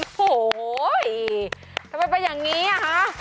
โอ้โหทำไมเป็นอย่างนี้อ่ะฮะ